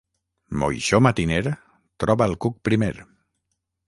Moixó matiner, troba el cuc primer.